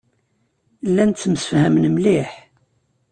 Llan ttemsefhamen mliḥ.